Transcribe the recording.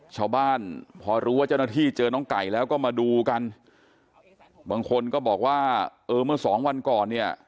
ชาวบ้านพอรู้ว่าเจ้าหน้าที่เจอน้องไก่แล้วก็มาดูกันบางคนก็บอกว่าเออเมื่อสองวันก่อนเนี่ย